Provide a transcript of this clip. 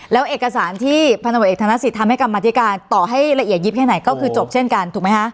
แล้วเอกสารที่พันธบทเอกธนสิทธิทำให้กรรมธิการต่อให้ละเอียดยิบแค่ไหนก็คือจบเช่นกันถูกไหมคะ